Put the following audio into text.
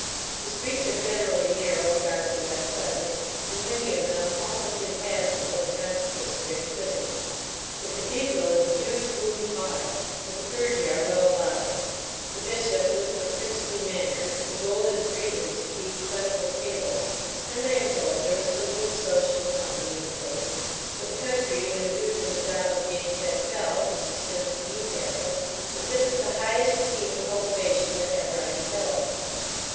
The Streets are generally narrow, dark, and unpleasant, and many of them almost impassible in consequence of their declivity. The cathedral is a huge gloomy pile; but the clergy are well lodged. The bishop lives in a princely manner the golden prebends keep plentiful tables and, I am told, there is some good sociable company in the place; but the country, when viewed from the top of Gateshead Fell, which extends to Newcastle, exhibits the highest scene of cultivation that ever I beheld.